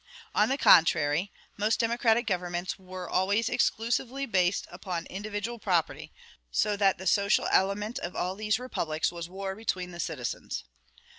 On the contrary, the most democratic governments were always exclusively based upon individual property; so that the social element of all these republics was war between the citizens.